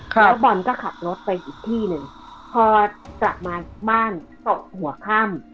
แล้วบอลก็ขับรถไปอีกที่หนึ่งพอกลับมาบ้านตกหัวค่ำ